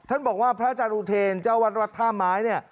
ท่านบอกว่าพระอาจารย์อุเทรนเจ้าวัดวัดท่าไม้เนี่ย